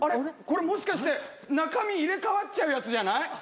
これもしかして中身入れ替わっちゃうやつじゃない？